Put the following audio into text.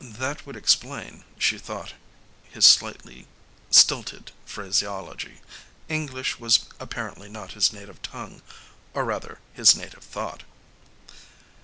That would explain, she thought, his slightly stilted phraseology; English was apparently not his native tongue or, rather, his native thought.